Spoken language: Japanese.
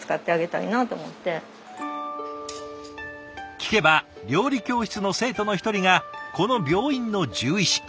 聞けば料理教室の生徒の一人がこの病院の獣医師。